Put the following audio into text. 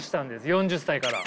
４０歳から。